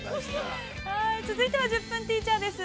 ◆続いては「１０分ティーチャー」です。